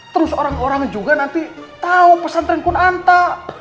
terus orang orang juga nanti tau pesantren kun anta